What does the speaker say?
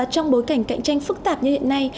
trong bối cảnh cạnh tranh phức tạp như hiện nay